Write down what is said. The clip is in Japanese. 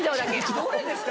どれですか？